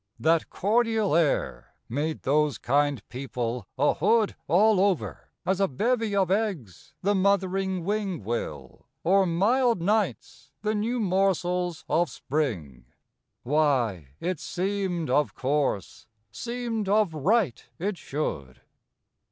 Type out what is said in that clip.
That cordial air made those kind people a hood All over, as a bevy of eggs the mothering wing Will, or mild nights the new morsels of spring : Why, it seemed of course , seemed of right it should.